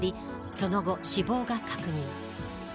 その後、死亡が確認。